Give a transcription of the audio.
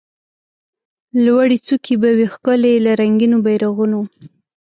لوړي څوکي به وي ښکلي له رنګینو بیرغونو